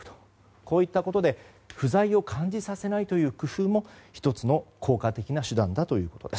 こういったことで不在を感じさせないという工夫も１つの効果的な手段だということです。